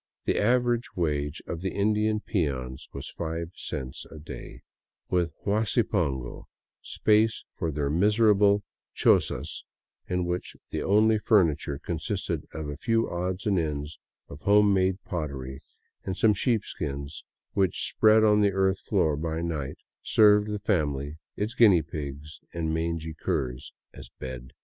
The average wage of the Indian peons was five cents a day, with huasi pongo,— space for their miserable chozas in which the only furniture consisted of a few odds and ends of home made pottery and some sheepskins which, spread on the earth floor by night, served the family, its guinea pigs and mangy curs, as bed.